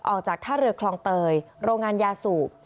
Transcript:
ออกจากท่าเรือคลองเตยโรงงานยาสูบ